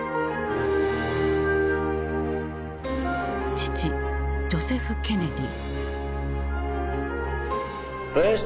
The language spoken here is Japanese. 父ジョセフ・ケネディ。